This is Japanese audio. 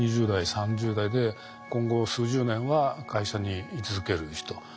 ２０代３０代で今後数十年は会社に居続ける人。